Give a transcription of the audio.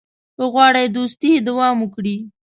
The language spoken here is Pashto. که غواړې دوستي دوام وکړي.